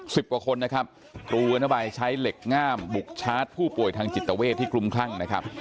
สิบกว่าคนนะครับตรูเงินใบใช้เหล็กงามบุกชาร์จผู้ป่วยทางจิตเตอร์เวศที่กลุ่มคร่ังนะครับ